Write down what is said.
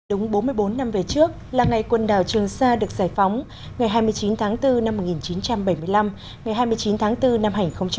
đúng bốn mươi bốn năm về trước là ngày quần đảo trường sa được giải phóng ngày hai mươi chín tháng bốn năm một nghìn chín trăm bảy mươi năm ngày hai mươi chín tháng bốn năm hai nghìn hai mươi